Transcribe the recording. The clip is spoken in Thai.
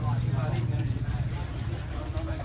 สวัสดีครับคุณผู้ชาย